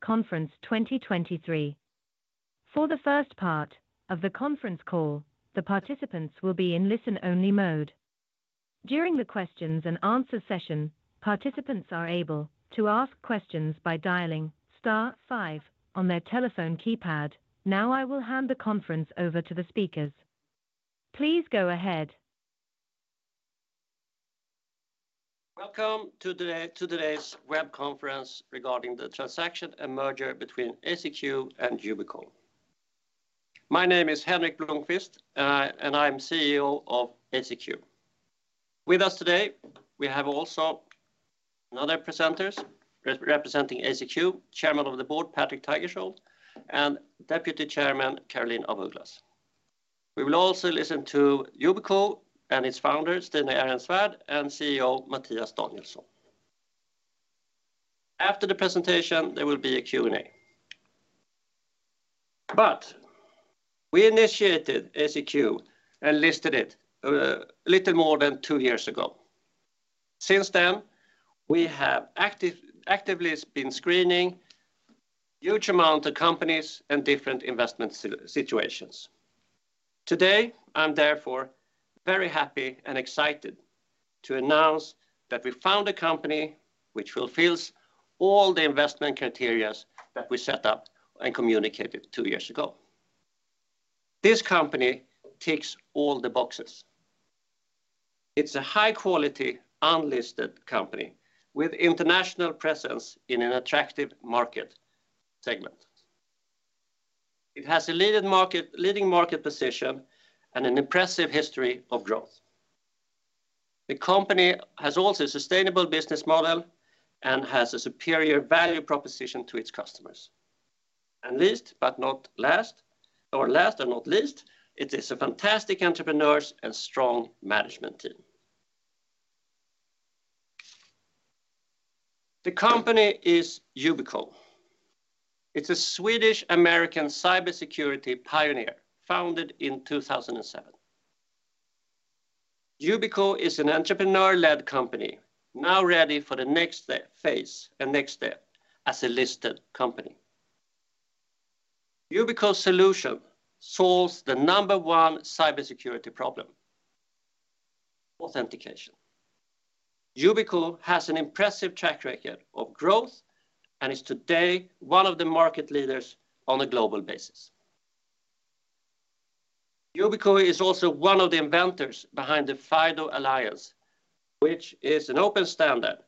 Conference 2023. For the first part of the conference call, the participants will be in listen-only mode. During the questions-and-answer session, participants are able to ask questions by dialing star five on their telephone keypad. Now, I will hand the conference over to the speakers. Please go ahead. Welcome to today's web conference regarding the transaction and merger between ACQ and Yubico. My name is Henrik Blomquist, and I'm CEO of ACQ. With us today, we have also another presenters representing ACQ, Chairman of the Board, Patrik Tigerschiöld, and Deputy Chairman, Caroline af Ugglas. We will also listen to Yubico and its founder, Stina Ehrensvärd, and CEO, Mattias Danielsson. After the presentation, there will be a Q&A. We initiated ACQ and listed it, a little more than two years ago. Since then, we have actively been screening huge amount of companies and different investment situations. Today, I'm therefore very happy and excited to announce that we found a company which fulfills all the investment criterias that we set up and communicated two years ago. This company ticks all the boxes. It's a high-quality unlisted company with international presence in an attractive market segment. It has a leading market position and an impressive history of growth. The company has also a sustainable business model and has a superior value proposition to its customers. Last and not least, it is a fantastic entrepreneur and strong management team. The company is Yubico. It's a Swedish-American cybersecurity pioneer founded in 2007. Yubico is an entrepreneur-led company now ready for the next phase and next step as a listed company. Yubico's solution solves the number one cybersecurity problem: authentication. Yubico has an impressive track record of growth and is today one of the market leaders on a global basis. Yubico is also one of the inventors behind the FIDO Alliance, which is an open standard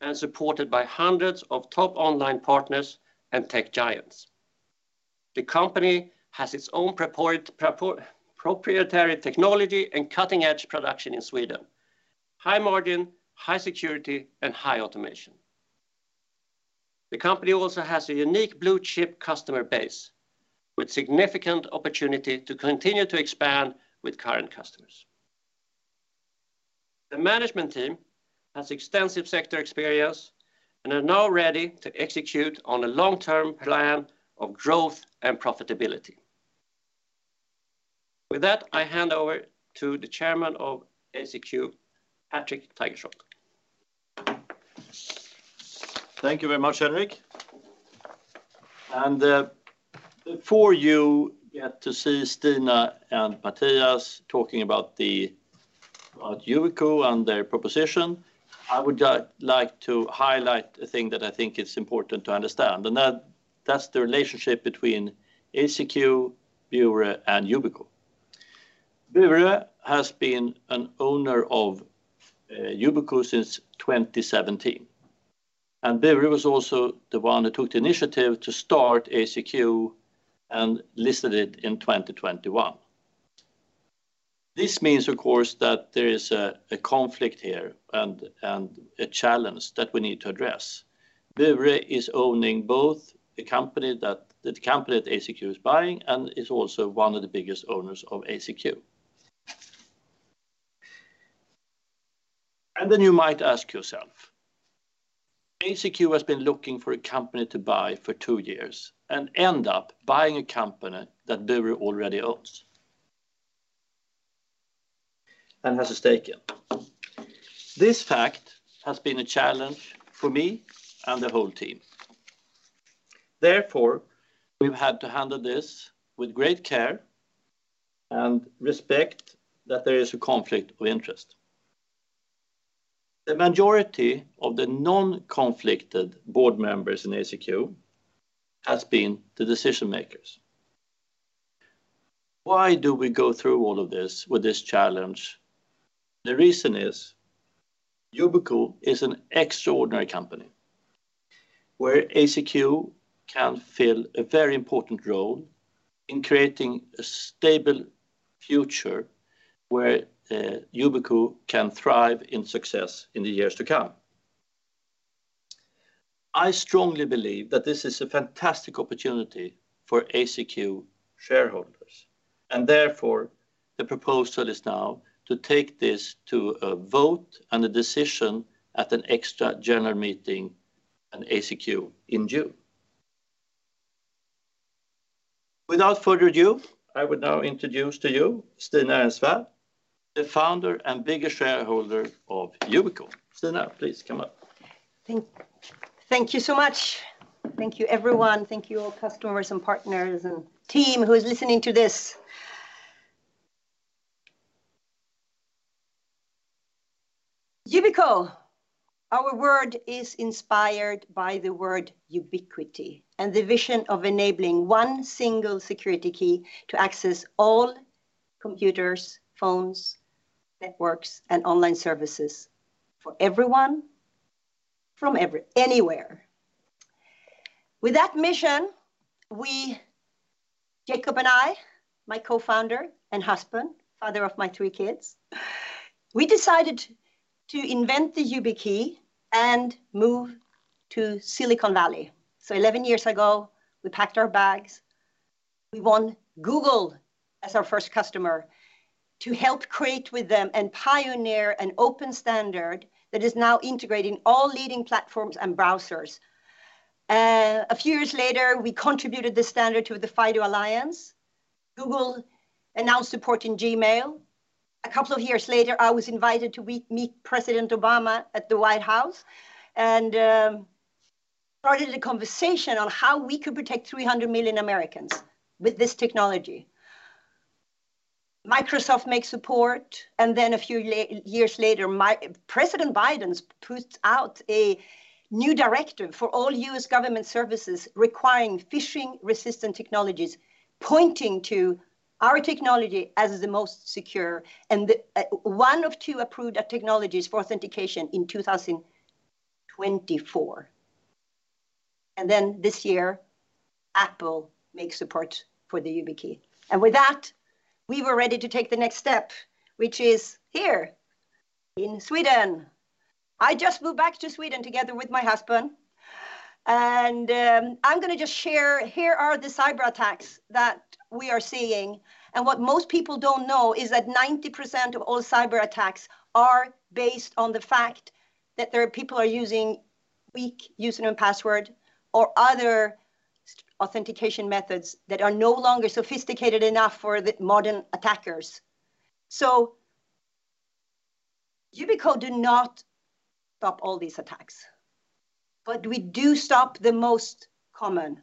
and supported by hundreds of top online partners and tech giants. The company has its own proprietary technology and cutting-edge production in Sweden, high margin, high security, and high automation. The company also has a unique blue-chip customer base with significant opportunity to continue to expand with current customers. The management team has extensive sector experience and are now ready to execute on a long-term plan of growth and profitability. With that, I hand over to the chairman of ACQ, Patrik Tigerschiöld. Thank you very much, Henrik. Before you get to see Stina and Mattias talking about the Yubico and their proposition, I would like to highlight the thing that I think is important to understand, that's the relationship between ACQ Bure, and Yubico. Bure has been an owner of Yubico since 2017, and Bure was also the one that took the initiative to start ACQ and listed it in 2021. This means, of course, that there is a conflict here and a challenge that we need to address. Bure is owning both the company that ACQ is buying and is also one of the biggest owners of ACQ. You might ask yourself, ACQ has been looking for a company to buy for two years and end up buying a company that Bure already owns and has a stake in. This fact has been a challenge for me and the whole team. Therefore, we've had to handle this with great care and respect that there is a conflict of interest. The majority of the non-conflicted board members in ACQ has been the decision-makers. Why do we go through all of this with this challenge? The reason is Yubico is an extraordinary company where ACQ can fill a very important role in creating a stable future where Yubico can thrive in success in the years to come. I strongly believe that this is a fantastic opportunity for ACQ shareholders, and therefore, the proposal is now to take this to a vote and a decision at an extra general meeting in ACQ in June. Without further ado, I would now introduce to you Stina Ehrensvärd, the founder and biggest shareholder of Yubico. Stina, please come up. Thank you so much. Thank you everyone. Thank you all customers and partners and team who is listening to this. Yubico. Our word is inspired by the word ubiquity and the vision of enabling one single security key to access all computers, phones, networks, and online services for everyone from anywhere. With that mission, we, Jacob and I, my co-founder and husband, father of my three kids, we decided to invent the Yubico and move to Silicon Valley. 11 years ago, we packed our bags. We won Google as our first customer to help create with them and pioneer an open standard that is now integrating all leading platforms and browsers. A few years later, we contributed the standard to the FIDO Alliance. Google announced support in Gmail. A couple of years later, I was invited to meet President Obama at the White House and started a conversation on how we could protect 300 million Americans with this technology. Microsoft makes support. Then a few years later, President Biden puts out a new directive for all U.S. government services requiring phishing-resistant technologies, pointing to our technology as the most secure and one of two approved technologies for authentication in 2024. This year, Apple makes support for the Yubico. With that, we were ready to take the next step, which is here in Sweden. I just moved back to Sweden together with my husband, and I'm gonna just share, here are the cyberattacks that we are seeing. What most people don't know is that 90% of all cyberattacks are based on the fact that there are people are using weak username and password or other authentication methods that are no longer sophisticated enough for the modern attackers. Yubico do not stop all these attacks, but we do stop the most common.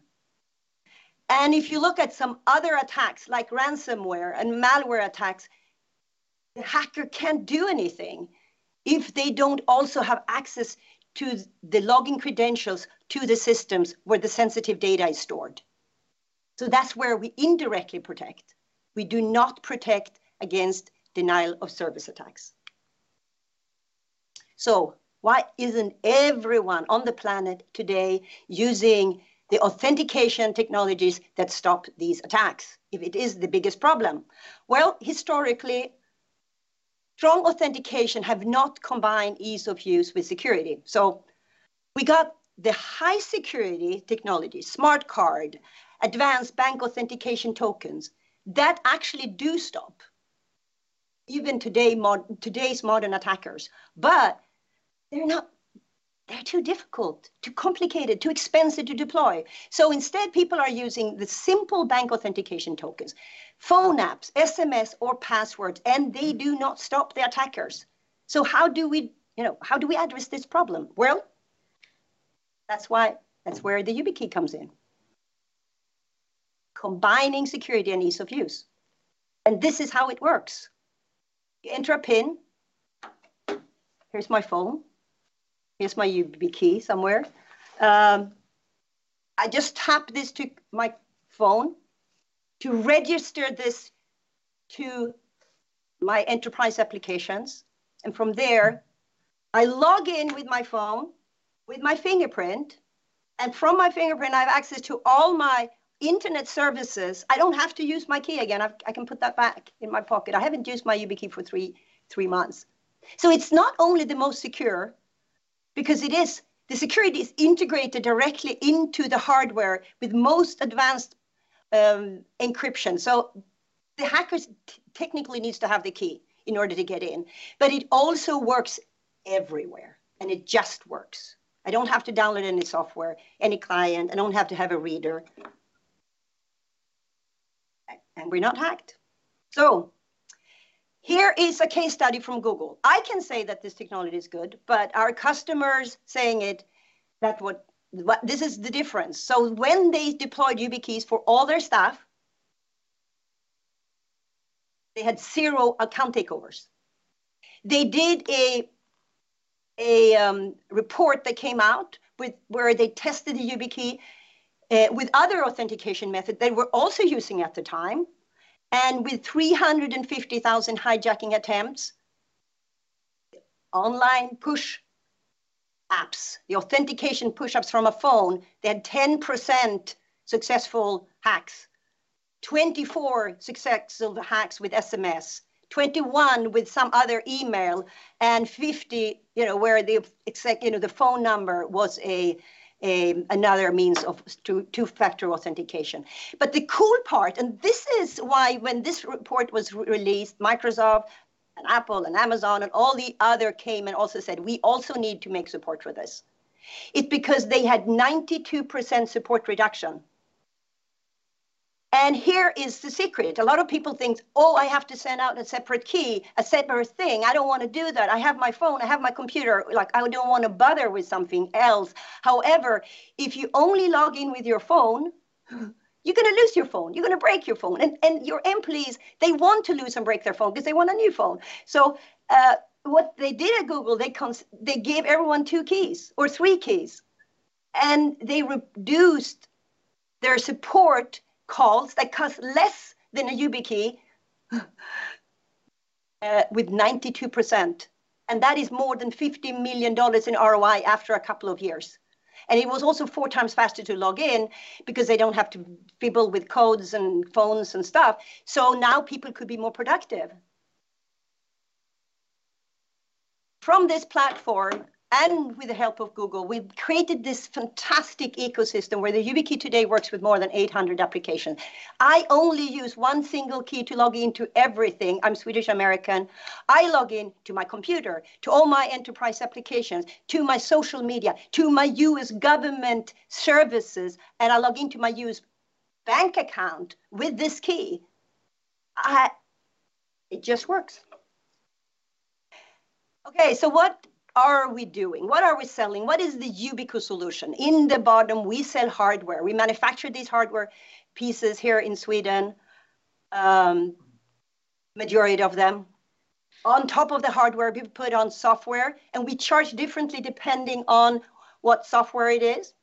If you look at some other attacks, like ransomware and malware attacks, the hacker can't do anything if they don't also have access to the login credentials to the systems where the sensitive data is stored. That's where we indirectly protect. We do not protect against denial-of-service attacks. Why isn't everyone on the planet today using the authentication technologies that stop these attacks if it is the biggest problem? Historically, strong authentication have not combined ease of use with security. We got the high security technology, smart card, advanced bank authentication tokens that actually do stop even today today's modern attackers. They're too difficult, too complicated, too expensive to deploy. Instead, people are using the simple bank authentication tokens, phone apps, SMS or passwords, and they do not stop the attackers. How do we, you know, how do we address this problem? That's where the Yubico comes in. Combining security and ease of use. This is how it works. You enter a PIN. Here's my phone. Here's my Yubico somewhere. I just tap this to my phone to register this to my enterprise applications. From there, I log in with my phone, with my fingerprint, and from my fingerprint, I have access to all my internet services. I don't have to use my key again. I can put that back in my pocket. I haven't used my Yubico for three months. It's not only the most secure because it is. The security is integrated directly into the hardware with most advanced encryption. The hackers technically need to have the key in order to get in. It also works everywhere, and it just works. I don't have to download any software, any client. I don't have to have a reader. We're not hacked. Here is a case study from Google. I can say that this technology is good, our customers saying it, that what. This is the difference. When they deployed YubiKey for all their staff, they had zero account takeovers. They did a report that came out with where they tested the Yubico with other authentication method they were also using at the time. With 350,000 hijacking attempts, online push apps, the authentication push apps from a phone, they had 10% successful hacks, 24 successful hacks with SMS, 21 with some other email and 50, you know, where the exec, you know, the phone number was another means of two-factor authentication. The cool part, and this is why when this report was released, Microsoft and Apple and Amazon and all the other came and also said, "We also need to make support for this." It's because they had 92% support reduction. Here is the secret. A lot of people think, "Oh, I have to send out a separate key, a separate thing. I don't wanna do that. I have my phone, I have my computer, like, I don't wanna bother with something else." However, if you only log in with your phone, you're gonna lose your phone, you're gonna break your phone, and your employees, they want to lose and break their phone 'cause they want a new phone. What they did at Google, they gave everyone two keys or three keys, and they reduced their support calls that cost less than a YubiKey, with 92%, and that is more than $50 million in ROI after a couple of years. It was also four times faster to log in because they don't have to fiddle with codes and phones and stuff, so now people could be more productive. From this platform and with the help of Google, we've created this fantastic ecosystem where the YubiKey today works with more than 800 applications. I only use one single key to log into everything. I'm Swedish American. I log in to my computer, to all my enterprise applications, to my social media, to my U.S. government services, and I log into my U.S. bank account with this key. It just works. Okay, what are we doing? What are we selling? What is the Yubico solution? In the bottom, we sell hardware. We manufacture these hardware pieces here in Sweden, majority of them. On top of the hardware, we've put on software, and we charge differently depending on what software it is.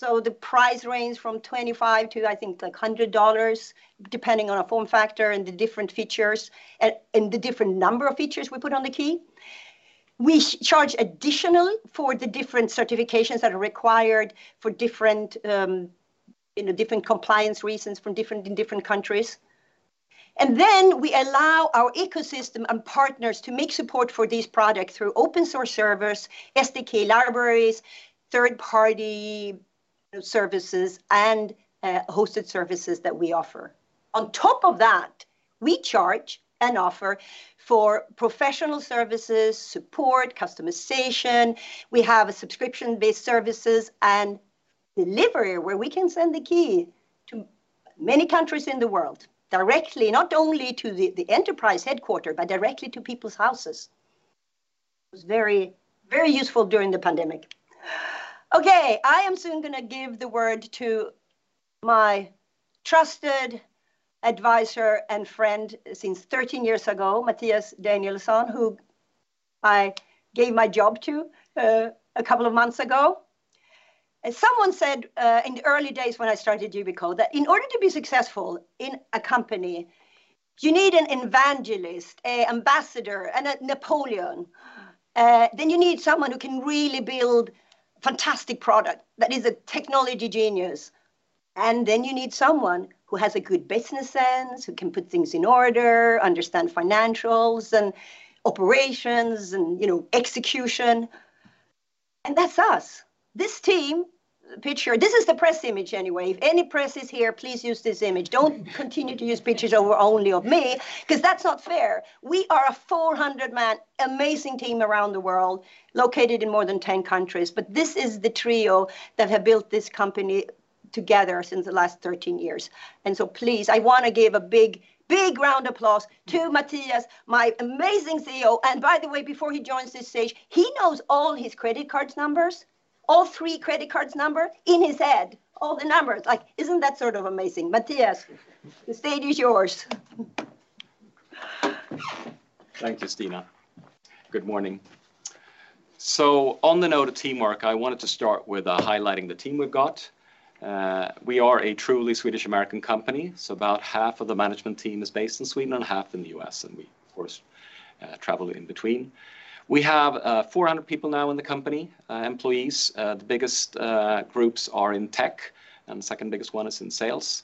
The price range from $25 to, I think, like, $100, depending on a form factor and the different features and the different number of features we put on the key. We charge additionally for the different certifications that are required for different, you know, different compliance reasons from different... in different countries. We allow our ecosystem and partners to make support for these products through open source servers, SDK libraries, third-party services and hosted services that we offer. On top of that, we charge and offer for professional services, support, customization. We have a subscription-based services and delivery where we can send the key to many countries in the world directly, not only to the enterprise headquarter, but directly to people's houses. It was very useful during the pandemic. Okay, I am soon gonna give the word to my trusted advisor and friend since 13 years ago, Mattias Danielsson, who I gave my job to a couple of months ago. As someone said, in the early days when I started Yubico, that in order to be successful in a company, you need an evangelist, a ambassador, and a Napoleon. You need someone who can really build fantastic product that is a technology genius, and then you need someone who has a good business sense, who can put things in order, understand financials and operations and, you know, execution, and that's us. This team picture, this is the press image, anyway. If any press is here, please use this image. Don't continue to use pictures over only of me, 'cause that's not fair. We are a 400 man amazing team around the world, located in more than 10 countries, this is the trio that have built this company together since the last 13 years. Please, I wanna give a big round applause to Mattias, my amazing CEO. By the way, before he joins this stage, he knows all his credit cards numbers, all three credit cards number in his head. All the numbers. Like, isn't that sort of amazing? Mattias, the stage is yours. Thank you, Stina. Good morning. On the note of teamwork, I wanted to start with highlighting the team we've got. We are a truly Swedish-American company, about half of the management team is based in Sweden and half in the U.S. and we, of course, travel in between. We have 400 people now in the company, employees. The biggest groups are in tech, and the second biggest one is in sales.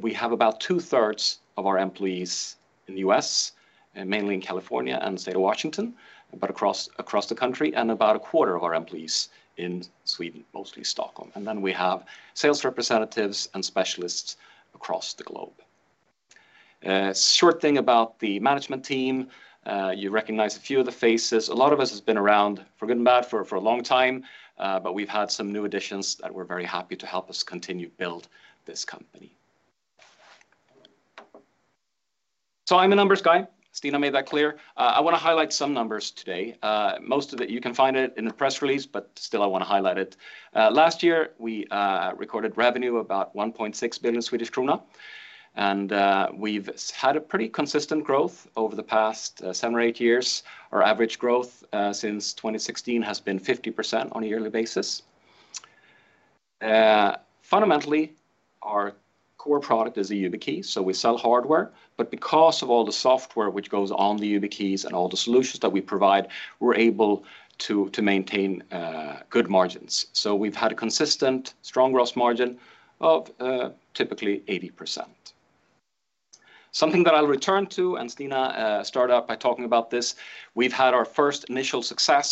We have about two-thirds of our employees in the U.S., mainly in California and the state of Washington, but across the country, and about a quarter of our employees in Sweden, mostly Stockholm. Then we have sales representatives and specialists across the globe. Short thing about the management team. You recognize a few of the faces. A lot of us has been around for good and bad for a long time, but we've had some new additions that we're very happy to help us continue build this company. I'm a numbers guy. Stina made that clear. I wanna highlight some numbers today. Most of it you can find it in the press release, still I wanna highlight it. Last year we recorded revenue about 1.6 billion Swedish krona, and we've had a pretty consistent growth over the past seven or eight years. Our average growth since 2016 has been 50% on a yearly basis. Fundamentally, our core product is a YubiKey. We sell hardware, but because of all the software which goes on the YubiKey's and all the solutions that we provide, we're able to maintain good margins. We've had a consistent strong growth margin of typically 80%. Something that I'll return to, and Stina start out by talking about this, we've had our first initial success.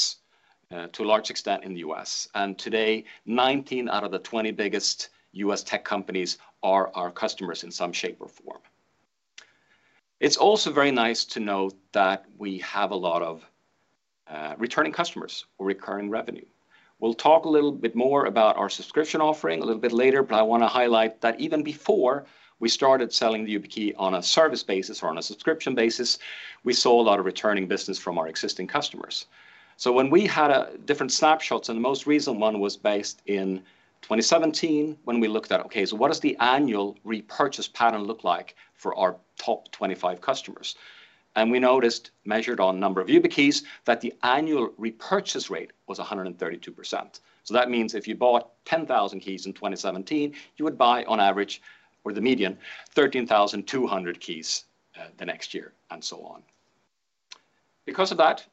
To a large extent in the U.S. Today, 19 out of the 20 biggest U.S. tech companies are our customers in some shape or form. It's also very nice to note that we have a lot of returning customers or recurring revenue. We'll talk a little bit more about our subscription offering a little bit later, but I wanna highlight that even before we started selling the YubiKey on a service basis or on a subscription basis, we saw a lot of returning business from our existing customers. When we had different snapshots, and the most recent one was based in 2017 when we looked at, okay, so what does the annual repurchase pattern look like for our top 25 customers? We noticed, measured on number of YubiKey's, that the annual repurchase rate was 132%. That means if you bought 10,000 keys in 2017, you would buy on average, or the median, 13,200 keys the next year, and so on. Because of that,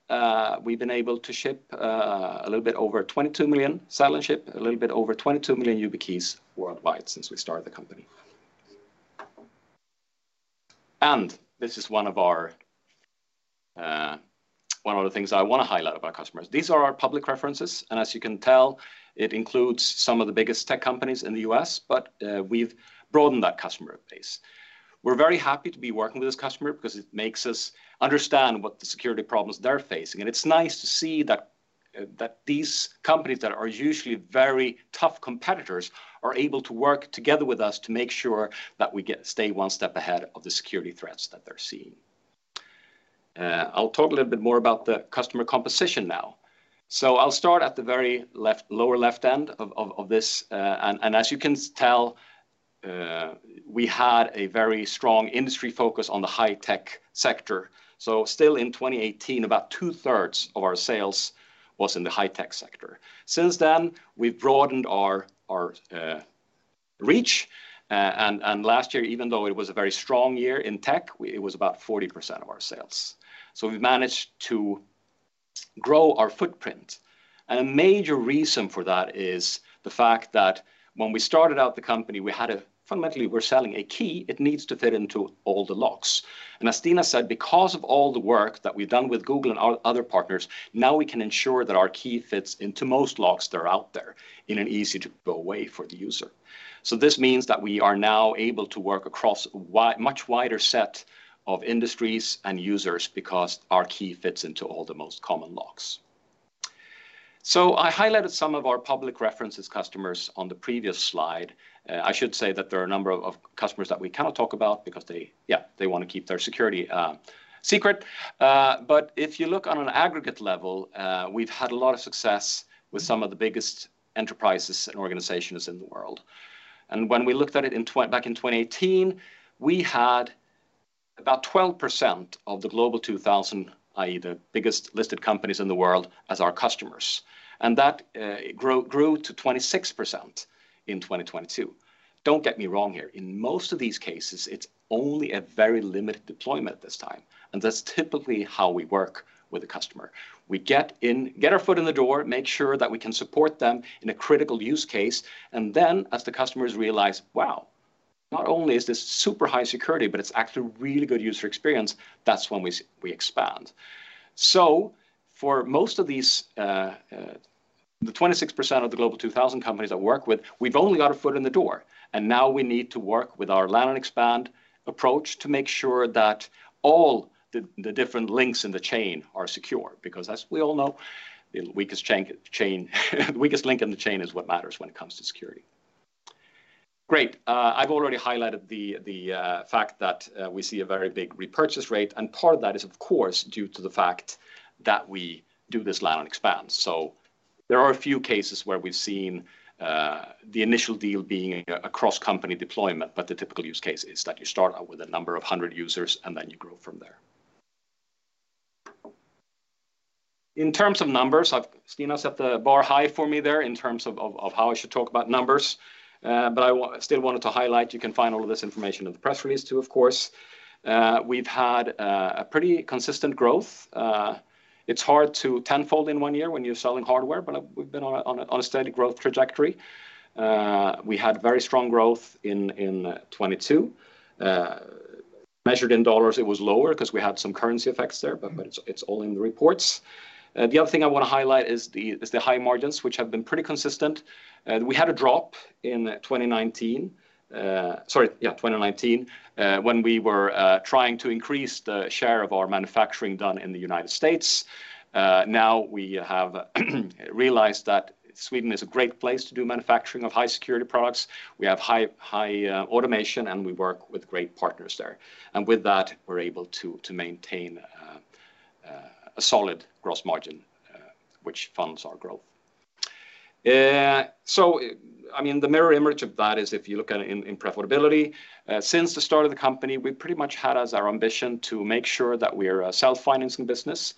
we've been able to ship, a little bit over 22 million, sell and ship a little bit over 22 million YubiKey's worldwide since we started the company. This is one of our, one of the things I want to highlight about customers. These are our public references, and as you can tell, it includes some of the biggest tech companies in the U.S., but, we've broadened that customer base. We're very happy to be working with this customer because it makes us understand what the security problems they're facing. It's nice to see that these companies that are usually very tough competitors are able to work together with us to make sure that we stay one step ahead of the security threats that they're seeing. I'll talk a little bit more about the customer composition now. I'll start at the very left, lower left end of this. As you can tell, we had a very strong industry focus on the high-tech sector. Still in 2018, about two-thirds of our sales was in the high-tech sector. Since then, we've broadened our reach. Last year, even though it was a very strong year in tech, it was about 40% of our sales. We've managed to grow our footprint. A major reason for that is the fact that when we started out the company, Fundamentally, we're selling a key, it needs to fit into all the locks. As Stina said, because of all the work that we've done with Google and our other partners, now we can ensure that our key fits into most locks that are out there in an easy to go way for the user. This means that we are now able to work across much wider set of industries and users because our key fits into all the most common locks. I highlighted some of our public references customers on the previous slide. I should say that there are a number of customers that we cannot talk about because they, yeah, they wanna keep their security secret. If you look on an aggregate level, we've had a lot of success with some of the biggest enterprises and organizations in the world. When we looked at it back in 2018, we had about 12% of the Global 2000, i.e. the biggest listed companies in the world, as our customers. That grew to 26% in 2022. Don't get me wrong here. In most of these cases, it's only a very limited deployment this time, and that's typically how we work with a customer. We get in, get our foot in the door, make sure that we can support them in a critical use case, and then as the customers realize, "Wow, not only is this super high security, but it's actually really good user experience," that's when we expand. For most of these, the 26% of the Global 2000 companies I work with, we've only got a foot in the door, and now we need to work with our land and expand approach to make sure that all the different links in the chain are secure. As we all know, the weakest link in the chain is what matters when it comes to security. Great. I've already highlighted the fact that we see a very big repurchase rate, and part of that is, of course, due to the fact that we do this land and expand. There are a few cases where we've seen the initial deal being a cross-company deployment, but the typical use case is that you start out with a number of 100 users, and then you grow from there. In terms of numbers, Stina set the bar high for me there in terms of how I should talk about numbers. But I still wanted to highlight, you can find all of this information in the press release, too, of course. We've had a pretty consistent growth. It's hard to tenfold in one year when you're selling hardware, but we've been on a steady growth trajectory. We had very strong growth in 2022. Measured in dollars, it was lower 'cause we had some currency effects there, but it's all in the reports. The other thing I wanna highlight is the high margins, which have been pretty consistent. We had a drop in 2019. Sorry, yeah, 2019, when we were trying to increase the share of our manufacturing done in the United States. Now we have realized that Sweden is a great place to do manufacturing of high security products. We have high automation, and we work with great partners there. With that, we're able to maintain a solid gross margin, which funds our growth. I mean, the mirror image of that is if you look at it in profitability. Since the start of the company, we pretty much had as our ambition to make sure that we're a self-financing business.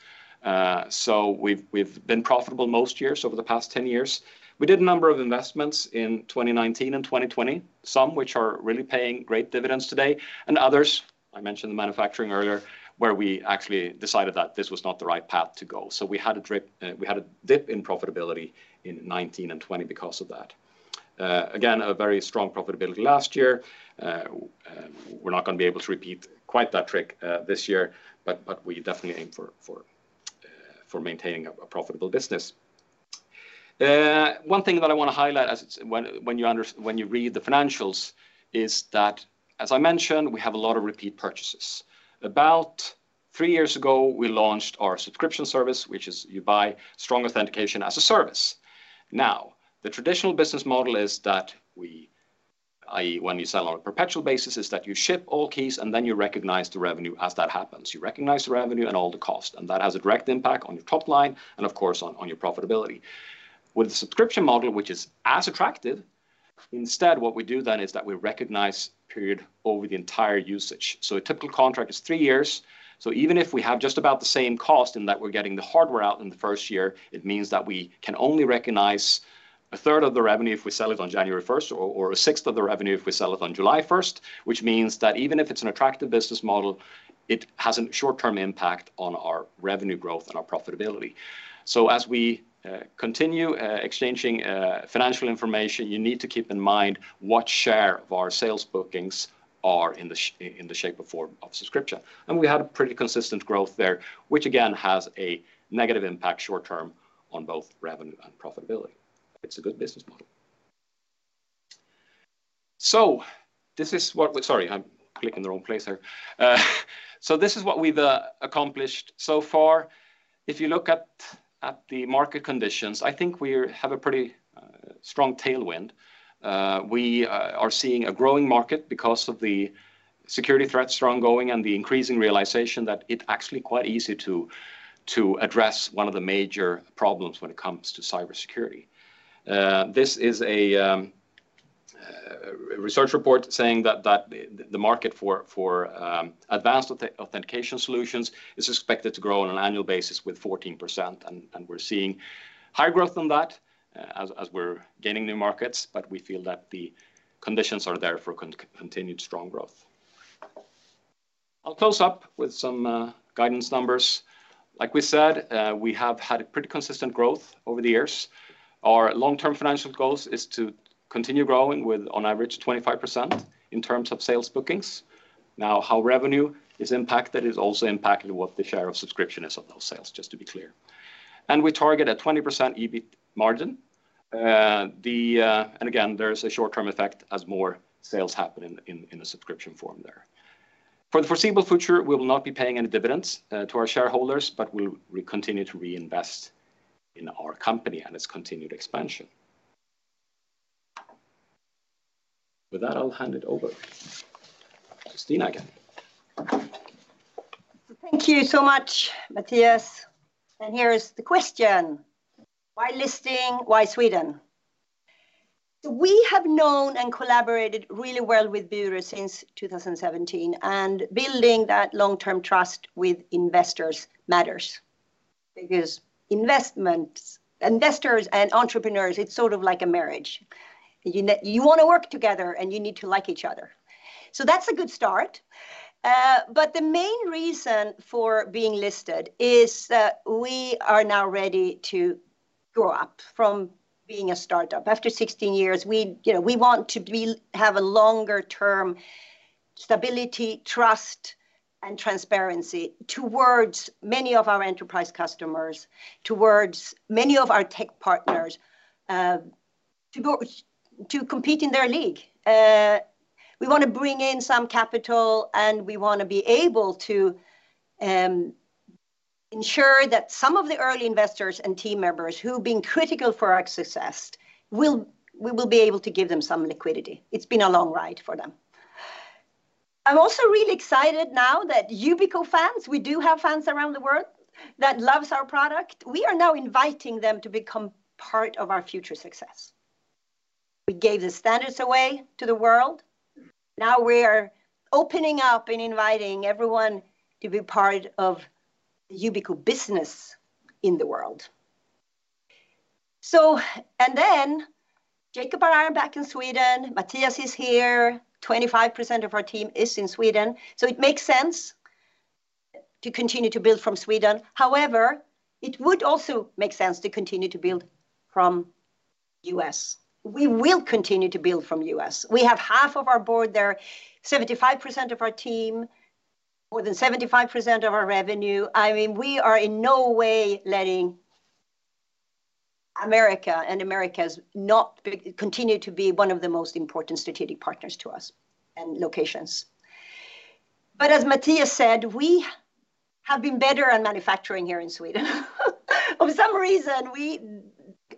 We've been profitable most years over the past 10 years. We did a number of investments in 2019 and 2020, some which are really paying great dividends today, and others, I mentioned the manufacturing earlier, where we actually decided that this was not the right path to go. We had a drip, we had a dip in profitability in 2019 and 2020 because of that. Again, a very strong profitability last year. We're not gonna be able to repeat quite that trick this year, we definitely aim for maintaining a profitable business. One thing that I wanna highlight when you read the financials is that, as I mentioned, we have a lot of repeat purchases. About three years ago, we launched our subscription service, which is you buy strong authentication as a service. Now, the traditional business model is that we, i.e., when you sell on a perpetual basis, is that you ship all keys, and then you recognize the revenue as that happens. You recognize the revenue and all the cost, and that has a direct impact on your top line and, of course, on your profitability. With the subscription model, which is as attractive, instead what we do then is that we recognize period over the entire usage. A typical contract is three years, so even if we have just about the same cost in that we're getting the hardware out in the first year, it means that we can only recognize a third of the revenue if we sell it on January 1st or a 6th of the revenue if we sell it on July 1st, which means that even if it's an attractive business model, it has a short-term impact on our revenue growth and our profitability. As we continue exchanging financial information, you need to keep in mind what share of our sales bookings are in the shape or form of subscription. We have pretty consistent growth there, which again has a negative impact short term on both revenue and profitability. It's a good business model. Sorry, I'm clicking the wrong place there. This is what we've accomplished so far. If you look at the market conditions, I think we have a pretty strong tailwind. We are seeing a growing market because of the security threats ongoing and the increasing realization that it actually quite easy to address one of the major problems when it comes to cybersecurity. This is a research report saying that the market for advanced authentication solutions is expected to grow on an annual basis with 14%, and we're seeing high growth on that as we're gaining new markets, we feel that the conditions are there for continued strong growth. I'll close up with some guidance numbers. Like we said, we have had a pretty consistent growth over the years. Our long-term financial goals is to continue growing with on average 25% in terms of sales bookings. Now, how revenue is impacted is also impacted what the share of subscription is of those sales, just to be clear. We target a 20% EBIT margin. Again, there's a short-term effect as more sales happen in, in the subscription form there. For the foreseeable future, we will not be paying any dividends, to our shareholders, but we'll re-continue to reinvest in our company and its continued expansion. With that, I'll hand it over to Stina again. Thank you so much, Mattias. Here is the question. Why listing? Why Sweden? We have known and collaborated really well with Bure since 2017, building that long-term trust with investors matters because investments, investors and entrepreneurs, it's sort of like a marriage. You wanna work together, you need to like each other. That's a good start. The main reason for being listed is that we are now ready to grow up from being a startup. After 16 years, we, you know, have a longer-term stability, trust, and transparency towards many of our enterprise customers, towards many of our tech partners, to compete in their league. We wanna bring in some capital, and we wanna be able to ensure that some of the early investors and team members who've been critical for our success, we will be able to give them some liquidity. It's been a long ride for them. I'm also really excited now that Yubico fans, we do have fans around the world that loves our product. We are now inviting them to become part of our future success. We gave the standards away to the world. Now we're opening up and inviting everyone to be part of Yubico business in the world. Jacob and I are back in Sweden. Mattias is here. 25% of our team is in Sweden, so it makes sense to continue to build from Sweden. However, it would also make sense to continue to build from U.S. We will continue to build from U.S. We have half of our board there, 75% of our team, more than 75% of our revenue. I mean, we are in no way letting America, and America's not continue to be one of the most important strategic partners to us and locations. As Mattias said, we have been better at manufacturing here in Sweden. For some reason,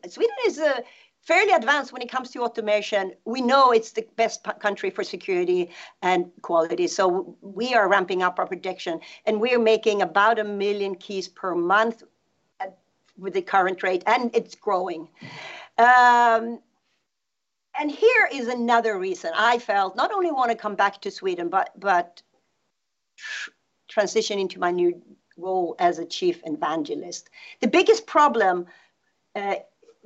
Sweden is fairly advanced when it comes to automation. We know it's the best country for security and quality. We are ramping up our production, and we are making about 1 million keys per month with the current rate, and it's growing. Here is another reason I felt not only wanna come back to Sweden but transitioning to my new role as a Chief Evangelist. The biggest problem in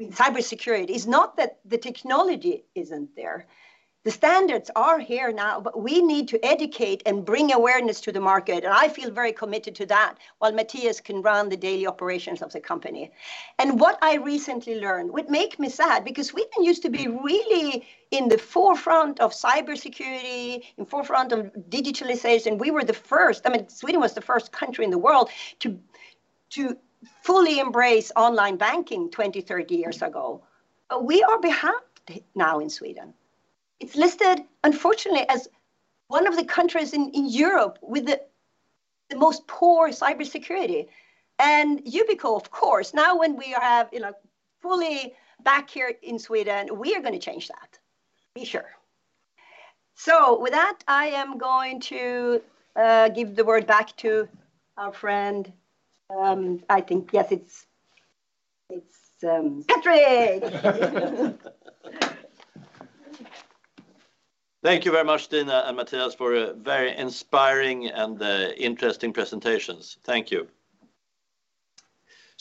cybersecurity is not that the technology isn't there. The standards are here now. We need to educate and bring awareness to the market, and I feel very committed to that while Mattias can run the daily operations of the company. What I recently learned would make me sad because Sweden used to be really in the forefront of cybersecurity, in forefront of digitalization. I mean, Sweden was the first country in the world to fully embrace online banking 20, 30 years ago. We are behind now in Sweden. It's listed, unfortunately, as one of the countries in Europe with the most poor cybersecurity. Yubico, of course, now when we have, you know, fully back here in Sweden, we are gonna change that. Be sure. With that, I am going to give the word back to our friend, I think, yes, it's Patrik. Thank you very much, Stina and Mattias for a very inspiring and interesting presentations. Thank you.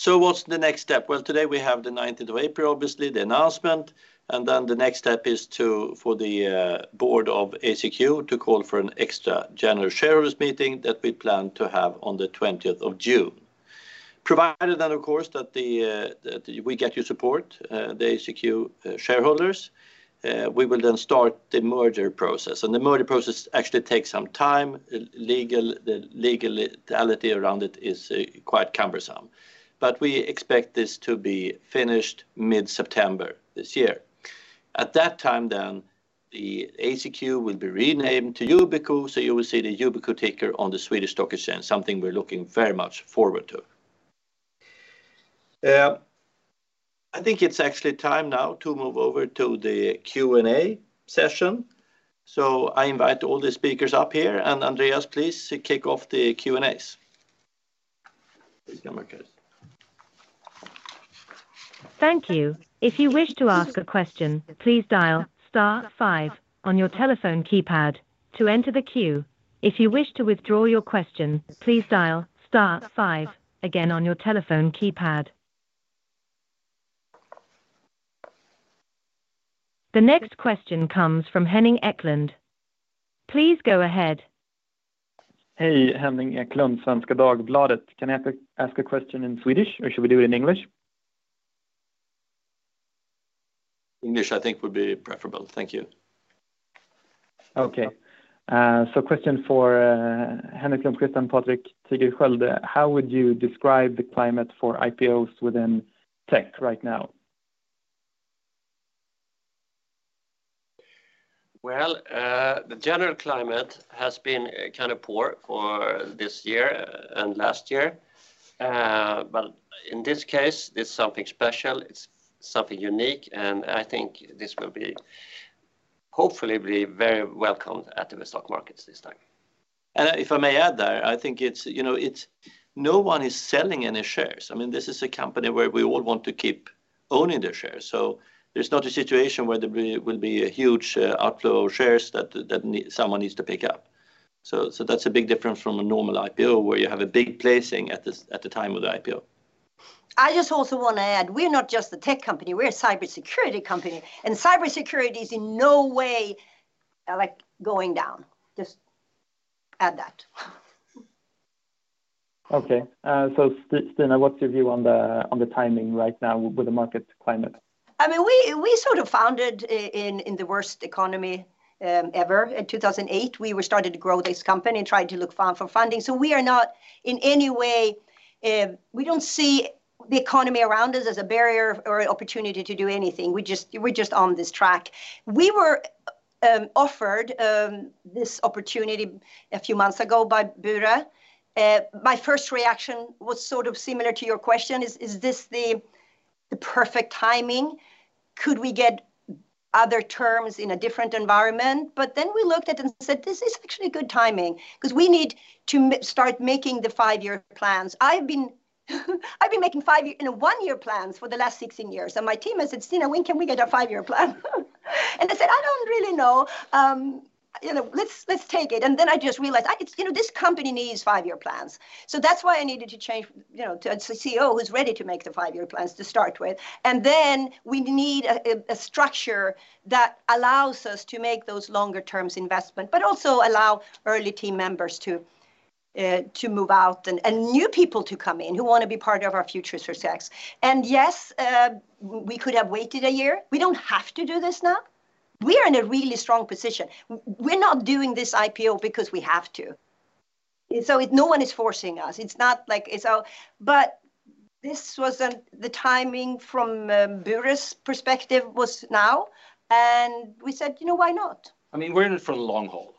What's the next step? Well, today we have the 19th of April, obviously, the announcement, and then the next step is to, for the board of ACQ to call for an extra general shareholders meeting that we plan to have on the 20th of June. Provided that, of course, that we get your support, the ACQ shareholders, we will then start the merger process. The legality around it is quite cumbersome. We expect this to be finished mid-September this year. At that time then, the ACQ will be renamed to Yubico, so you will see the Yubico ticker on the Swedish Stock Exchange, something we're looking very much forward to. I think it's actually time now to move over to the Q&A session. I invite all the speakers up here. Andreas, please kick off the Q&As. Thank you. If you wish to ask a question, please dial star five on your telephone keypad to enter the queue. If you wish to withdraw your question, please dial star five again on your telephone keypad. The next question comes from Henning Eklund. Please go ahead. Hey, Henning Eklund, Svenska Dagbladet. Can I ask a question in Swedish or should we do it in English? English, I think would be preferable. Thank you. Okay. Question for Henrik Blomquist, Patrik Tigerschiöld. How would you describe the climate for IPOs within tech right now? Well, the general climate has been kind of poor for this year and last year. In this case, it's something special, it's something unique, and I think this will be hopefully be very welcomed at the stock markets this time. If I may add there, I think, you know, no one is selling any shares. I mean, this is a company where we all want to keep owning the shares. There's not a situation where there will be a huge outflow of shares that someone needs to pick up. That's a big difference from a normal IPO where you have a big placing at the time of the IPO. I just also wanna add, we're not just a tech company, we're a cybersecurity company, and cybersecurity is in no way, like, going down. Just add that. Okay. Stina, what's your view on the timing right now with the market climate? I mean, we sort of founded in the worst economy ever. In 2008, we were started to grow this company and tried to look found for funding. We are not in any way, we don't see the economy around us as a barrier or opportunity to do anything. We're just on this track. We were offered this opportunity a few months ago by Bure. My first reaction was sort of similar to your question, is this the perfect timing? Could we get other terms in a different environment? We looked at it and said, "This is actually good timing," 'cause we need to start making the five-year plans. I've been making five year... One year plans for the last 16 years, my team has said, "Stina, when can we get a five-year plan?" I said, "I don't really know. You know, let's take it." I just realized I could, you know, this company needs five-year plans. That's why I needed to change, you know, to a CEO who's ready to make the five-year plans to start with. We need a structure that allows us to make those longer terms investment, but also allow early team members to move out and new people to come in who wanna be part of our future success. Yes, we could have waited a year. We don't have to do this now. We are in a really strong position. We're not doing this IPO because we have to. No one is forcing us. It's not like it's our... This was, the timing from Bure's perspective was now, and we said, "You know, why not? I mean, we're in it for the long haul.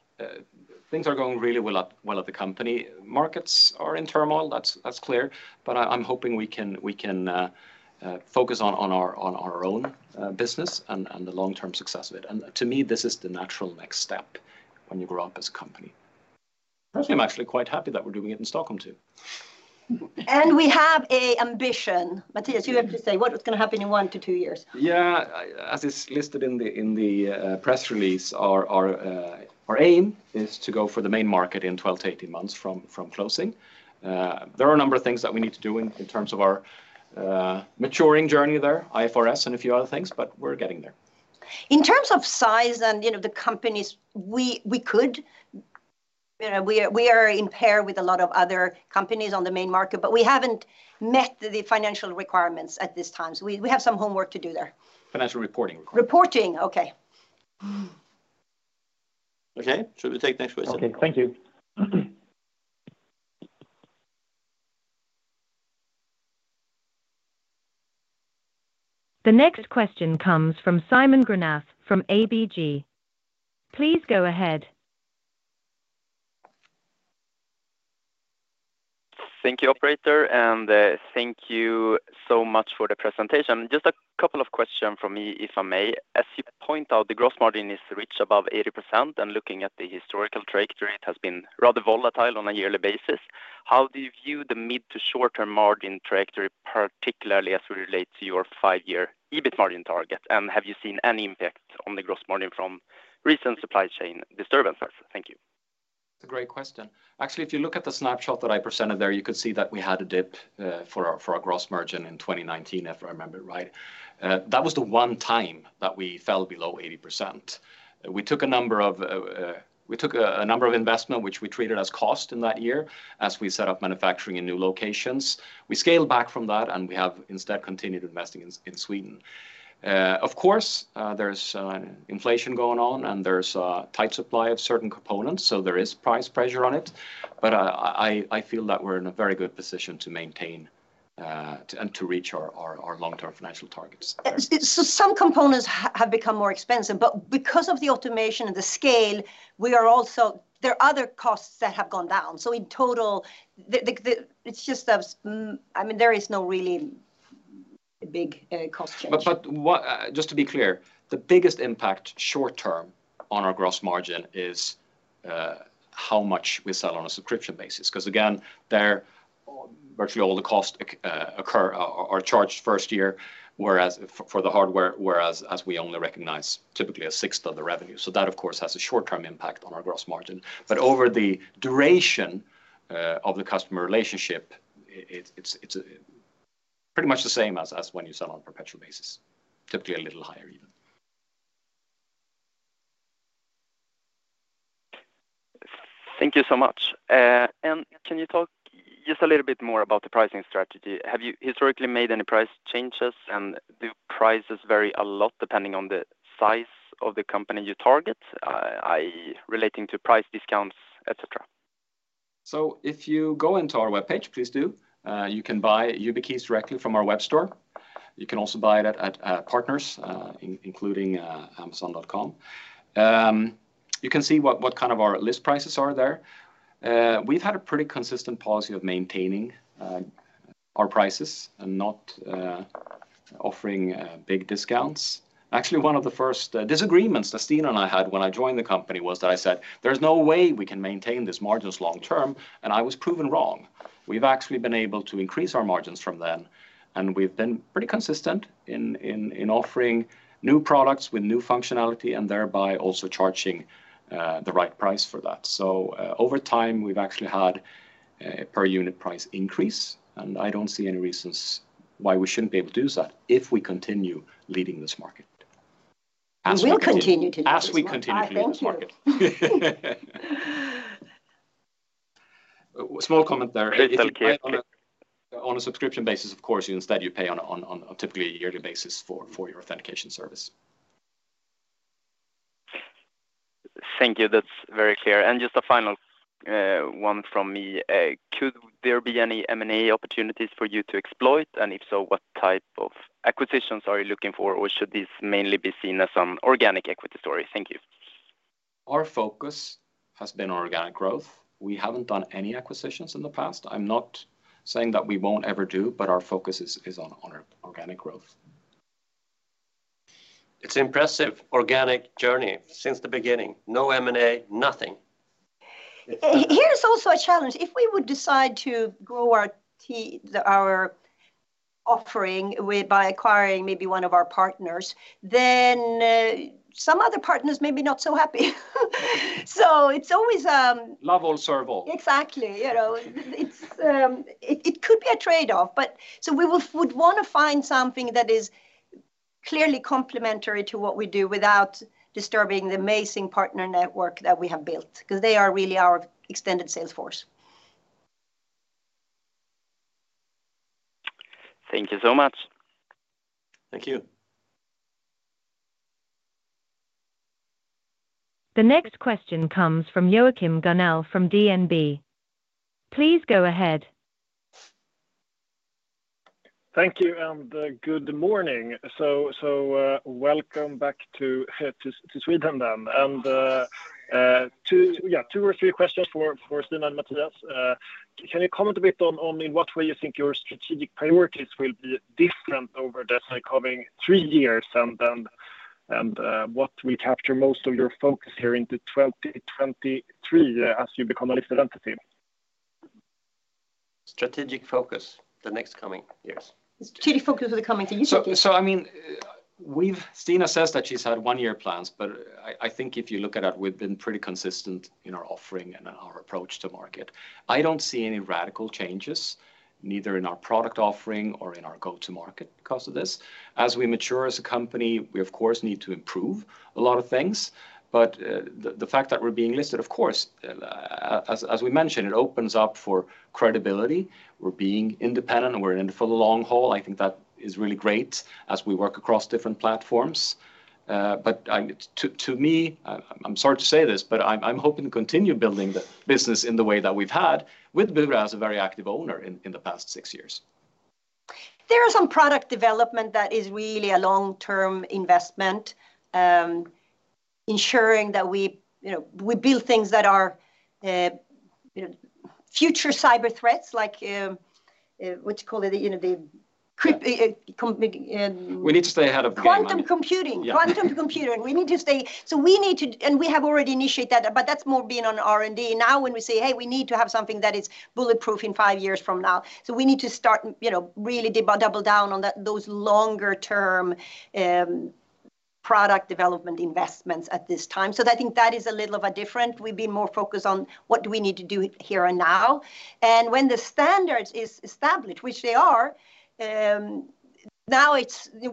Things are going really well at the company. Markets are in turmoil, that's clear, but I'm hoping we can focus on our own business and the long-term success of it. To me, this is the natural next step when you grow up as a company. I'm actually quite happy that we're doing it in Stockholm too. We have an ambition. Mattias, you have to say what is gonna happen in one to two years. Yeah. As is listed in the press release, our aim is to go for the main market in 12-18 months from closing. There are a number of things that we need to do in terms of our maturing journey there, IFRS and a few other things, but we're getting there. In terms of size and, you know, the companies, we could. You know, we are in pair with a lot of other companies on the main market, but we haven't met the financial requirements at this time. We have some homework to do there. Financial reporting requirements. Reporting. Okay. Okay. Should we take next question? Okay. Thank you. The next question comes from Simon Granath from ABG. Please go ahead. Thank you, operator. Thank you so much for the presentation. Just a couple of question from me, if I may. As you point out, the gross margin is reached above 80%, and looking at the historical trajectory, it has been rather volatile on a yearly basis. How do you view the mid to short-term margin trajectory, particularly as it relates to your five-year EBIT margin target? Have you seen any impact on the gross margin from recent supply chain disturbances? Thank you. It's a great question. Actually, if you look at the snapshot that I presented there, you could see that we had a dip for our gross margin in 2019, if I remember right. That was the one time that we fell below 80%. We took a number of investment which we treated as cost in that year as we set up manufacturing in new locations. We scaled back from that, and we have instead continued investing in Sweden. Of course, there's inflation going on, and there's a tight supply of certain components, so there is price pressure on it. I feel that we're in a very good position to maintain and to reach our long-term financial targets. Some components have become more expensive because of the automation and the scale, there are other costs that have gone down. In total, it's just that's, I mean, there is no really big cost change. What, just to be clear, the biggest impact short term on our gross margin is how much we sell on a subscription basis. 'Cause again, there virtually all the costs occur or charged first year, whereas for the hardware, whereas we only recognize typically a sixth of the revenue. That of course has a short-term impact on our gross margin. Over the duration of the customer relationship, it's pretty much the same as when you sell on perpetual basis, typically a little higher even. Thank you so much. Can you talk just a little bit more about the pricing strategy? Have you historically made any price changes, and do prices vary a lot depending on the size of the company you target? i.e. relating to price discounts, et cetera. If you go into our webpage, please do. You can buy Yubico's directly from our web store. You can also buy it at partners, including amazon.com. You can see what kind of our list prices are there. We've had a pretty consistent policy of maintaining our prices and not offering big discounts. Actually, one of the first disagreements that Stina and I had when I joined the company was that I said, "There's no way we can maintain these margins long term," and I was proven wrong. We've actually been able to increase our margins from then, and we've been pretty consistent in offering new products with new functionality and thereby also charging the right price for that. Over time, we've actually had a per unit price increase, and I don't see any reasons why we shouldn't be able to do that if we continue leading this market. As we continue. We will continue to do this. as we continue to lead this market. I thank you. Small comment there. Please don't care. If you buy on a subscription basis, of course, you instead pay on a typically yearly basis for your authentication service. Thank you. That's very clear. Just a final one from me. Could there be any M&A opportunities for you to exploit? If so, what type of acquisitions are you looking for? Should this mainly be seen as some organic equity story? Thank you. Our focus has been organic growth. We haven't done any acquisitions in the past. I'm not saying that we won't ever do, but our focus is on our organic growth. It's impressive organic journey since the beginning. No M&A, nothing. Here's also a challenge. If we would decide to grow our offering by acquiring maybe one of our partners, then, some other partners may be not so happy. It's always. Love all, serve all. Exactly. You know, it's, it could be a trade-off, but so we would wanna find something that is clearly complementary to what we do without disturbing the amazing partner network that we have built, because they are really our extended sales force. Thank you so much. Thank you. The next question comes from Joachim Gunell from DNB. Please go ahead. Thank you, and good morning. Welcome back to Sweden then. Two, yeah, two or three questions for Stina and Mattias. Can you comment a bit on in what way you think your strategic priorities will be different over the coming three years and then. What will capture most of your focus here into 2023 as you become a listed entity? Strategic focus the next coming years. Strategic focus for the coming years, Okay. I mean, Stina says that she's had one-year plans, but I think if you look at it, we've been pretty consistent in our offering and our approach to market. I don't see any radical changes, neither in our product offering or in our go-to market because of this. As we mature as a company, we of course need to improve a lot of things. The fact that we're being listed, of course, as we mentioned, it opens up for credibility. We're being independent, and we're in it for the long haul. I think that is really great as we work across different platforms. To me, I'm sorry to say this, but I'm hoping to continue building the business in the way that we've had with Bure as a very active owner in the past six years. There are some product development that is really a long-term investment, ensuring that we, you know, we build things that are, you know, future cyber threats, like, what you call it, you know. We need to stay ahead of the game. Quantum computing. Yeah. Quantum computing. We have already initiated that, but that's more being on R&D. Now when we say, "Hey, we need to have something that is bulletproof in five years from now," we need to start, you know, really double down on those longer term product development investments at this time. I think that is a little of a different. We've been more focused on what do we need to do here and now. When the standard is established, which they are, we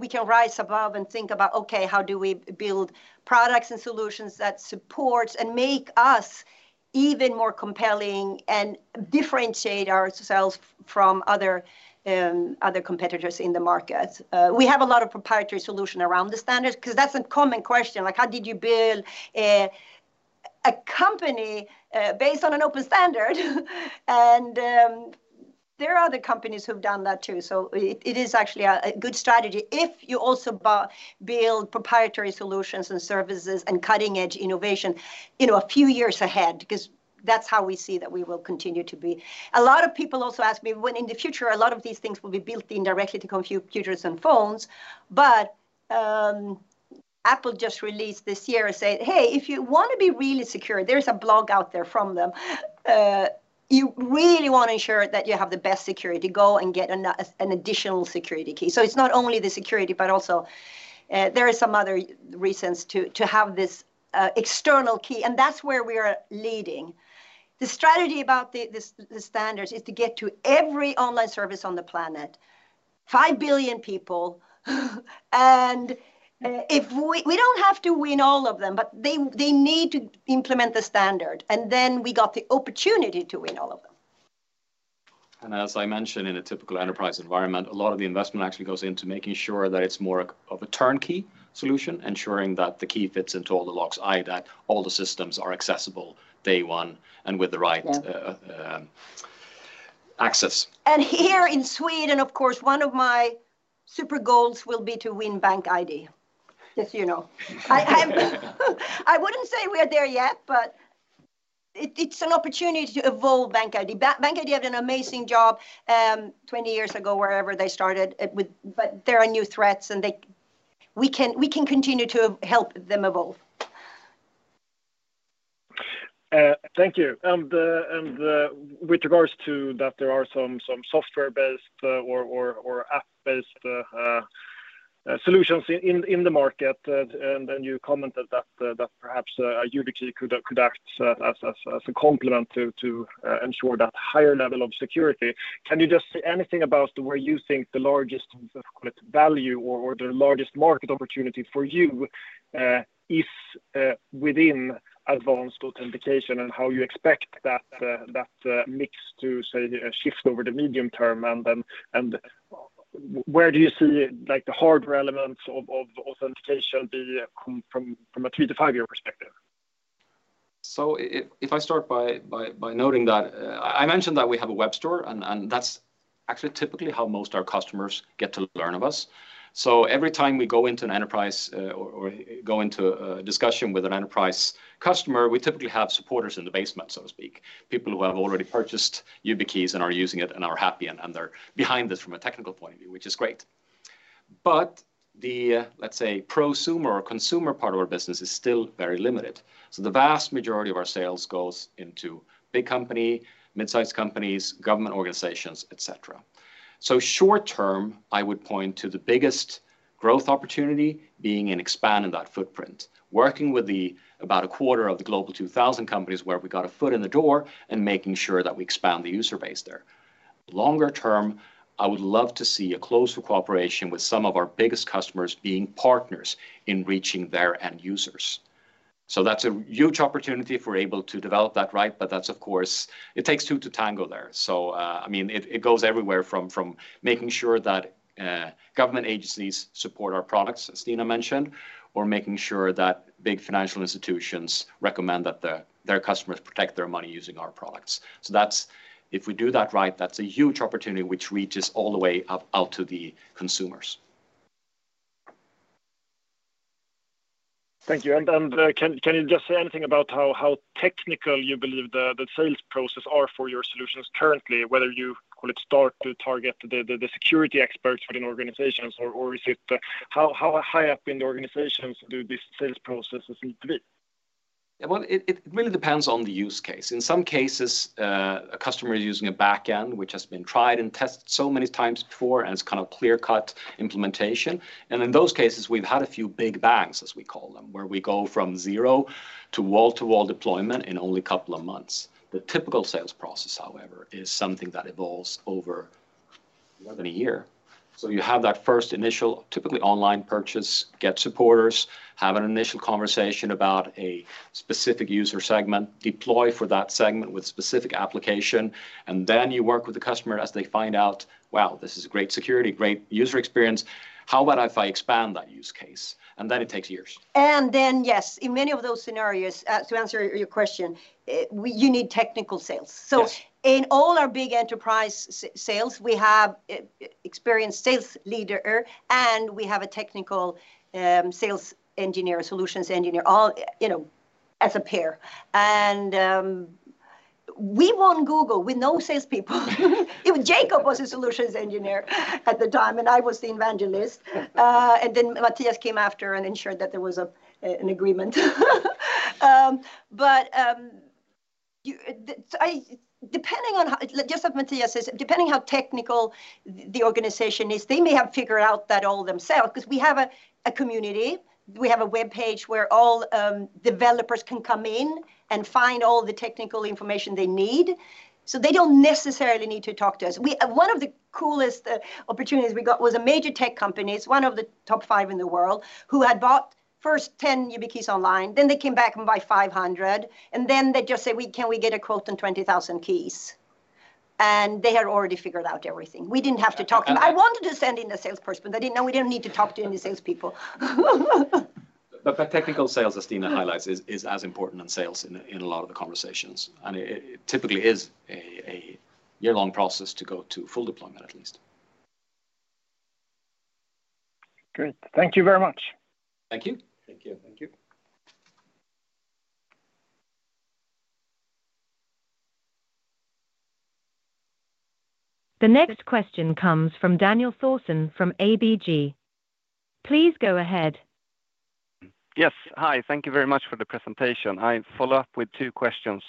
can rise above and think about, okay, how do we build products and solutions that support and make us even more compelling and differentiate ourselves from other competitors in the market? We have a lot of proprietary solution around the standards because that's a common question. Like, how did you build a company based on an open standard? There are other companies who've done that too. It is actually a good strategy if you also build proprietary solutions and services and cutting-edge innovation, you know, a few years ahead, because that's how we see that we will continue to be. A lot of people also ask me when in the future a lot of these things will be built in directly to computers and phones. Apple just released this year saying, "Hey, if you wanna be really secure," there's a blog out there from them. You really wanna ensure that you have the best security, go and get an additional security key. It's not only the security, but also, there are some other reasons to have this external key, and that's where we are leading. The strategy about the standards is to get to every online service on the planet, 5 billion people. We don't have to win all of them, but they need to implement the standard, and then we got the opportunity to win all of them. As I mentioned, in a typical enterprise environment, a lot of the investment actually goes into making sure that it's more of a turnkey solution, ensuring that the key fits into all the locks, i.e., that all the systems are accessible day one. Yeah. access. Here in Sweden, of course, one of my super goals will be to win BankID. Just so you know. I wouldn't say we are there yet, but it's an opportunity to evolve BankID. BankID did an amazing job, 20 years ago, wherever they started it with. There are new threats, and we can continue to help them evolve. Thank you. With regards to that there are some software-based or app-based solutions in the market, and then you commented that perhaps a Yubico could act as a complement to ensure that higher level of security. Can you just say anything about where you think the largest value or the largest market opportunity for you is within advanced authentication and how you expect that mix to, say, shift over the medium term? Where do you see, like, the hardware elements of authentication be from a three to five year perspective? If I start by noting that, I mentioned that we have a web store, and that's actually typically how most our customers get to learn of us. Every time we go into an enterprise, or go into a discussion with an enterprise customer, we typically have supporters in the basement, so to speak. People who have already purchased YubiKeys and are using it and are happy and they're behind this from a technical point of view, which is great. The, let's say, prosumer or consumer part of our business is still very limited. The vast majority of our sales goes into big company, midsize companies, government organizations, et cetera. Short term, I would point to the biggest growth opportunity being in expanding that footprint. Working with the about a quarter of the Global 2000 companies where we got a foot in the door and making sure that we expand the user base there. Longer term, I would love to see a closer cooperation with some of our biggest customers being partners in reaching their end users. That's a huge opportunity if we're able to develop that right. That's of course, it takes two to tango there. I mean, it goes everywhere from making sure that government agencies support our products, as Stina mentioned, or making sure that big financial institutions recommend that their customers protect their money using our products. If we do that right, that's a huge opportunity which reaches all the way up out to the consumers. Thank you. Can you just say anything about how technical you believe the sales process are for your solutions currently, whether you could start to target the security experts within organizations or is it how high up in the organizations do these sales processes need to be? Yeah. Well, it really depends on the use case. In some cases, a customer is using a back end, which has been tried and tested so many times before, and it's kind of clear-cut implementation. In those cases, we've had a few big bangs, as we call them, where we go from zero to wall-to-wall deployment in only a couple of months. The typical sales process, however, is something that evolves over more than a year. You have that first initial, typically online purchase, get supporters, have an initial conversation about a specific user segment, deploy for that segment with specific application, and then you work with the customer as they find out, "Wow, this is great security, great user experience. How about if I expand that use case?" Then it takes years. Then, yes, in many of those scenarios, to answer your question, you need technical sales. Yes. In all our big enterprise sales, we have experienced sales leader, and we have a technical sales engineer, solutions engineer, all, you know, as a pair. We won Google with no salespeople. Jacob was a solutions engineer at the time, and I was the evangelist. Mattias came after and ensured that there was an agreement. Depending on how, just like Mattias said, depending how technical the organization is, they may have figured out that all themselves, 'cause we have a community. We have a webpage where all developers can come in and find all the technical information they need, so they don't necessarily need to talk to us. One of the coolest opportunities we got was a major tech company, it's one of the top 5 in the world, who had bought first 10 Yubico's online, then they came back and buy 500, and then they just said, "can we get a quote on 20,000 keys?" They had already figured out everything. We didn't have to talk to them. I wanted to send in a salesperson, but they didn't know we didn't need to talk to any salespeople. The technical sales, as Stina highlights, is as important in sales in a lot of the conversations. It typically is a year-long process to go to full deployment at least. Great. Thank you very much. Thank you. Thank you. Thank you. The next question comes from Daniel Thorsson from ABG. Please go ahead. Yes. Hi. Thank you very much for the presentation. I follow up with two questions,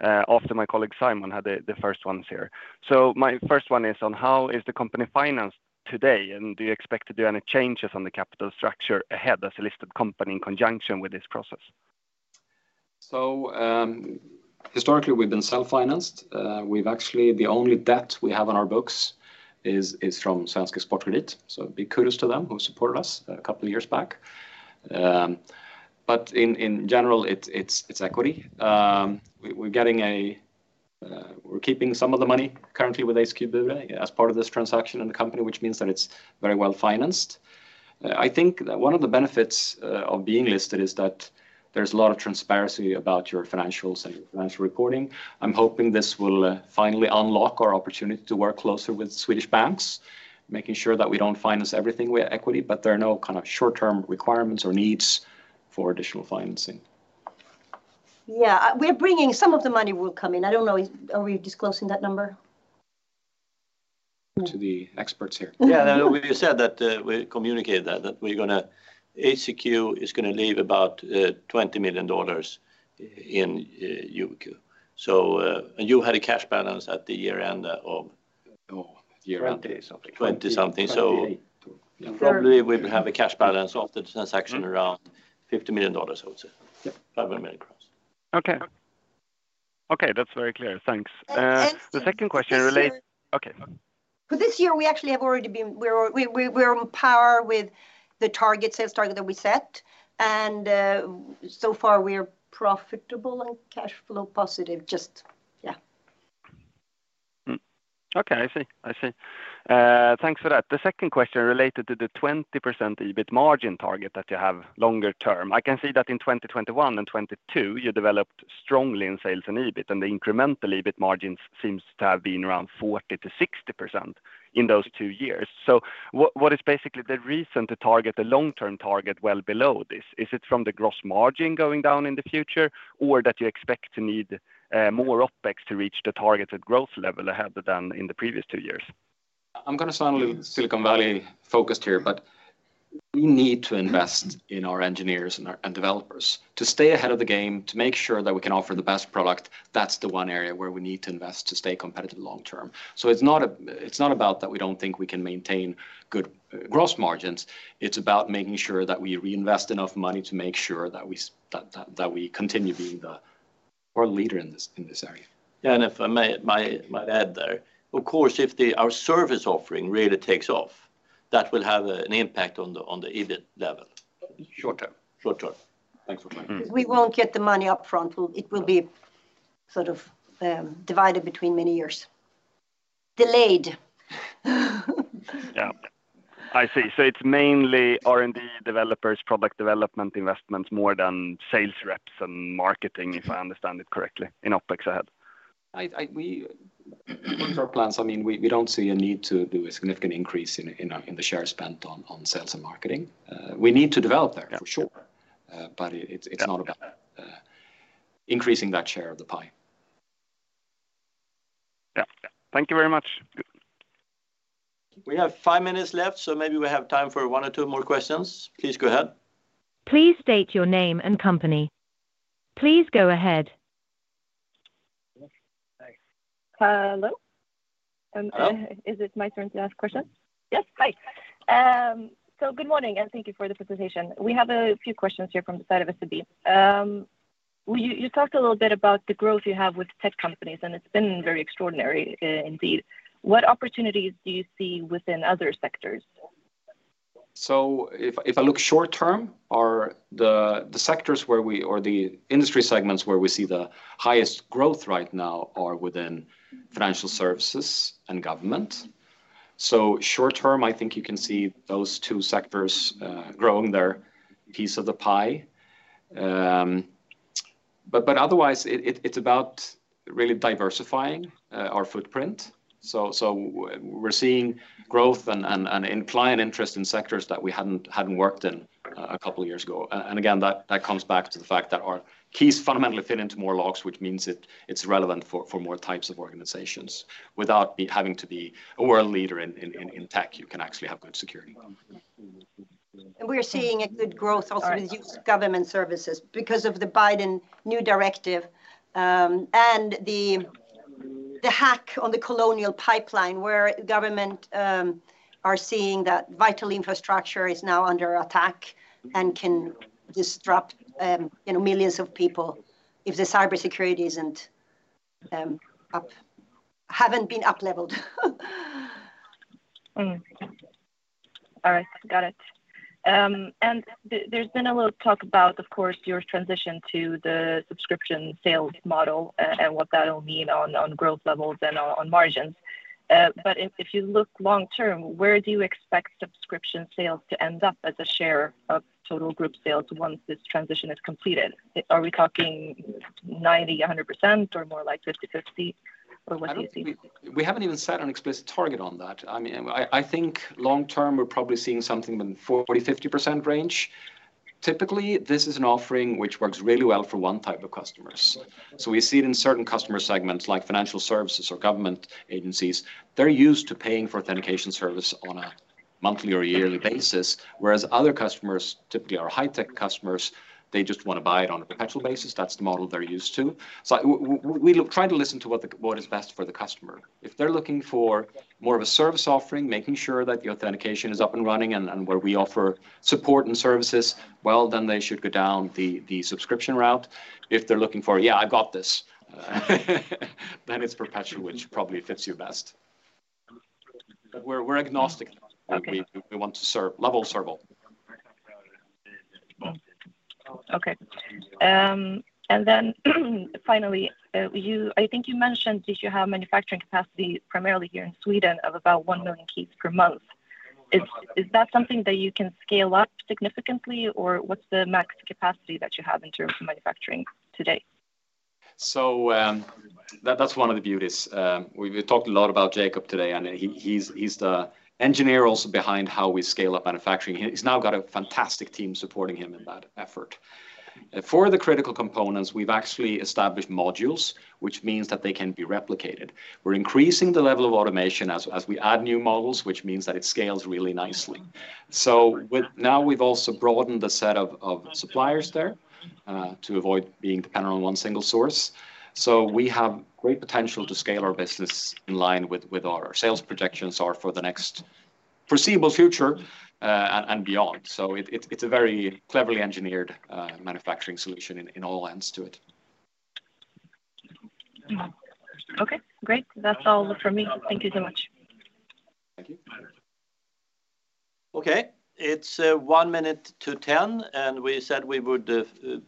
after my colleague Simon had the first ones here. My first one is on how is the company financed today, and do you expect to do any changes on the capital structure ahead as a listed company in conjunction with this process? Historically, we've been self-financed. The only debt we have on our books is from Svensk Exportkredit, so big kudos to them who supported us a couple of years back. In general, it's equity. We're keeping some of the money currently with ACQ Bure as part of this transaction in the company, which means that it's very well-financed. I think that one of the benefits of being listed is that there's a lot of transparency about your financials and your financial reporting. I'm hoping this will finally unlock our opportunity to work closer with Swedish banks, making sure that we don't finance everything with equity, but there are no kind of short-term requirements or needs for additional financing. Yeah. Some of the money will come in. I don't know. Are we disclosing that number? To the experts here. Yeah. No. We said that, we communicated that, ACQ is gonna leave about $20 million in Yubico. You had a cash balance at the year end of. Oh, year end is something. 20-something. $28 million.... probably we'll have a cash balance of the transaction around $50 million, I would say. Yep. 500 million gross. Okay. Okay. That's very clear. Thanks. Thank you. The second question. This year. Okay. For this year, We're on par with the target, sales target that we set, so far we're profitable and cash flow positive. Yeah. Mm-hmm. Okay. I see. I see. Thanks for that. The second question related to the 20% EBIT margin target that you have longer term. I can see that in 2021 and 2022 you developed strongly in sales and EBIT, and the incremental EBIT margins seems to have been around 40%-60% in those two years. What is basically the reason to target the long-term target well below this? Is it from the gross margin going down in the future or that you expect to need more OpEx to reach the targeted growth level ahead than in the previous two years? I'm gonna sound a little Silicon Valley focused here. We need to invest in our engineers and our developers to stay ahead of the game, to make sure that we can offer the best product. That's the one area where we need to invest to stay competitive long term. It's not about that we don't think we can maintain good gross margins. It's about making sure that we reinvest enough money to make sure that we continue being the world leader in this area. Yeah. If I may might add there, of course, if our service offering really takes off, that will have an impact on the EBIT level. Short term. Short term. Thanks for clarifying. We won't get the money up front. It will be sort of, divided between many years. Delayed. Yeah. I see. It's mainly R&D developers, product development investments more than sales reps and marketing, if I understand it correctly, in OpEx ahead? I, we, with our plans, I mean, we don't see a need to do a significant increase in the share spent on sales and marketing. Yeah. for sure. It's not about increasing that share of the pie. Yeah. Thank you very much. We have five minutes left, so maybe we have time for one or two more questions. Please go ahead. Please state your name and company. Please go ahead. Hello? Hello. Is it my turn to ask questions? Yes. Hi. Good morning, and thank you for the presentation. We have a few questions here from the side of SEB. Well, you talked a little bit about the growth you have with tech companies, and it's been very extraordinary, indeed. What opportunities do you see within other sectors? If, if I look short term, the sectors where we or the industry segments where we see the highest growth right now are within financial services and government. Short term, I think you can see those two sectors growing their piece of the pie. Otherwise, it's about really diversifying our footprint. We're seeing growth and in client interest in sectors that we hadn't worked in a couple years ago. Again, that comes back to the fact that our keys fundamentally fit into more locks, which means it's relevant for more types of organizations. Without having to be a world leader in tech, you can actually have good security. We're seeing a good growth also with U.S. government services because of the Biden new directive, and the hack on the Colonial Pipeline, where government, are seeing that vital infrastructure is now under attack and can disrupt, you know, millions of people if the cybersecurity isn't haven't been upleveled. All right. Got it. There's been a little talk about, of course, your transition to the subscription sales model and what that'll mean on growth levels and on margins. If you look long term, where do you expect subscription sales to end up as a share of total group sales once this transition is completed? Are we talking 90%, 100% or more like 50/50? What do you think? I don't. We haven't even set an explicit target on that. I mean, I think long term we're probably seeing something in 40%-50% range. Typically, this is an offering which works really well for one type of customers. We see it in certain customer segments like financial services or government agencies. They're used to paying for authentication service on a monthly or yearly basis, whereas other customers, typically our high tech customers, they just wanna buy it on a perpetual basis. That's the model they're used to. We try to listen to what is best for the customer. If they're looking for more of a service offering, making sure that the authentication is up and running and where we offer support and services, they should go down the subscription route. If they're looking for, "Yeah, I've got this," then it's perpetual, which probably fits you best. We're agnostic. Okay. We want to level serve all. Okay. Then finally, I think you mentioned that you have manufacturing capacity primarily here in Sweden of about 1 million keys per month. Is that something that you can scale up significantly, or what's the max capacity that you have in terms of manufacturing today? That's one of the beauties. We talked a lot about Jacob today, and he's the engineer also behind how we scale up manufacturing. He's now got a fantastic team supporting him in that effort. For the critical components, we've actually established modules, which means that they can be replicated. We're increasing the level of automation as we add new models, which means that it scales really nicely. Now we've also broadened the set of suppliers there to avoid being dependent on one single source. We have great potential to scale our business in line with our sales projections or for the next foreseeable future, and beyond. It's a very cleverly engineered manufacturing solution in all ends to it. Okay, great. That's all from me. Thank you so much. Thank you. Okay. It's one minute to 10:00 A.M. We said we would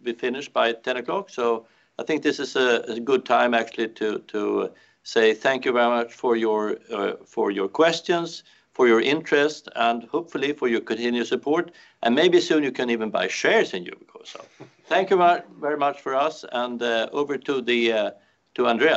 be finished by 10 o'clock. I think this is a good time actually to say thank you very much for your questions, for your interest, and hopefully for your continued support. Maybe soon you can even buy shares in Yubico. Thank you very, very much for us and over to the to Andre.